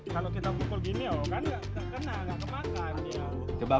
kalau kita pukul gini loh kan nggak terkena nggak kemakan